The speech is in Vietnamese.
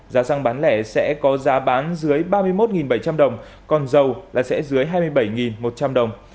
giá xăng bán lẻ sẽ có giá bán dưới ba mươi một bảy trăm linh đồng còn dầu là sẽ dưới hai mươi bảy một trăm linh đồng